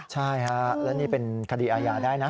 ใช่ฮะและนี่เป็นคดีอาญาได้นะ